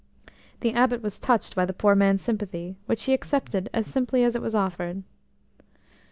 The Abbot was touched by the poor man's sympathy, which he accepted as simply as it was offered.